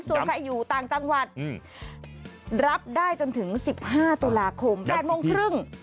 ส่วนใครอยู่ต่างจังหวัดรับได้จนถึง๑๕ตุลาคม๘โมงครึ่ง